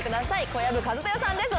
小籔千豊さんです。